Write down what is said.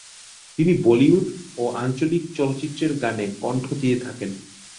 তিনি বলিউড ও আঞ্চলিক চলচ্চিত্রের গানে কণ্ঠ দিয়ে থাকেন।